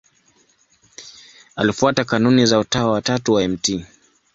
Alifuata kanuni za Utawa wa Tatu wa Mt.